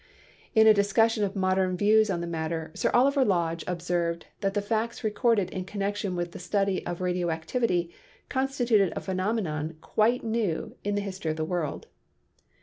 In a discussion of modern views on matter, Sir Oliver Lodge observed that the facts recorded in connection with the study of radio activity constituted a phenomenon quite new in the history of the world.